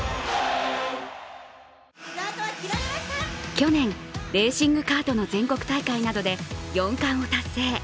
去年、レーシングカートの全国大会などで４冠を達成。